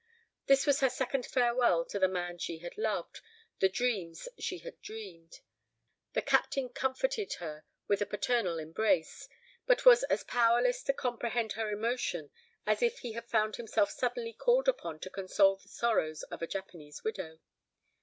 This was her second farewell to the man she had loved, the dreams she had dreamed. The Captain comforted her with a paternal embrace, but was as powerless to comprehend her emotion as if he had found himself suddenly called upon to console the sorrows of a Japanese widow.